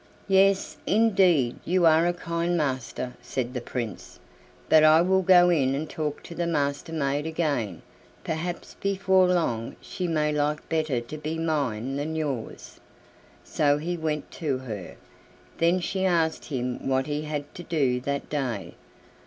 "Yes, indeed, you are a kind master," said the Prince; "but I will go in and talk to the Master maid again; perhaps before long she may like better to be mine than yours." So he went to her. Then she asked him what he had to do that day.